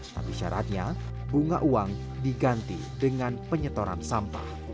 tapi syaratnya bunga uang diganti dengan penyetoran sampah